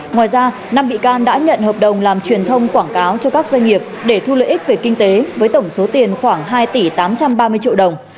ngoài ra năm bị can đã nhận hợp đồng làm truyền thông quảng cáo cho các doanh nghiệp để thu lợi ích về kinh tế với tổng số tiền khoảng hai tỷ tám trăm ba mươi triệu đồng